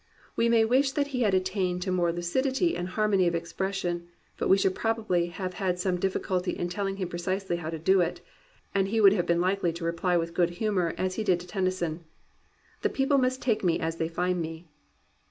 We may wish that he had at tained to more lucidity and harmony of expression, but we should probably have had some difficulty in telling him precisely how to do it, and he would have been likely to reply with good humour as he did to Tennyson, "The people must take me as they find me.'